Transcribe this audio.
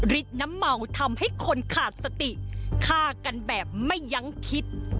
น้ำเมาทำให้คนขาดสติฆ่ากันแบบไม่ยั้งคิด